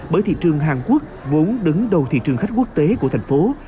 bởi thị trường hàn quốc vốn đứng đầu thị trường khách quốc tế của thành phố